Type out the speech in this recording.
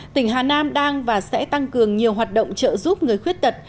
tỉnh hà nam đang và sẽ tăng cường nhiều hoạt động trợ giúp người khuyết tật